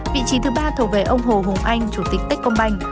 vị trí thứ ba thuộc về ông hồ hùng anh chủ tịch techcombank